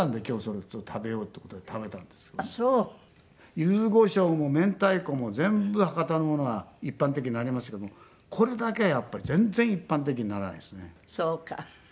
ゆずこしょうもめんたいこも全部博多のものは一般的になりましたけどもこれだけはやっぱり全然一般的にならないですね。